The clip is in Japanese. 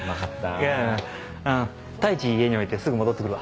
いやいや太一家に置いてすぐ戻って来るわ。